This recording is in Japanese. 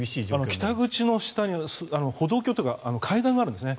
北口の下に歩道橋というか階段があるんですね。